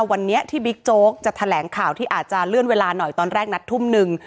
วันนี้ที่บิ๊กโจ๊กจะแถลงข่าวที่อาจจะเลื่อนเวลาหน่อยตอนแรกนัดทุ่มหนึ่ง